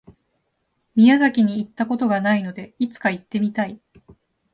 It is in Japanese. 宮崎に行った事がないので、いつか行ってみたい。